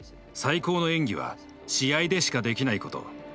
最高の演技は試合でしかできないこと。